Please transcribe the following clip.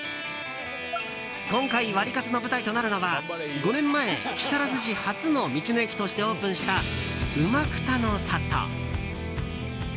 今回ワリカツの舞台となるのは５年前木更津市初の道の駅としてオープンした、うまくたの里。